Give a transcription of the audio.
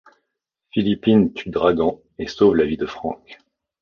Philippine tue Dragan et sauve la vie de Frank.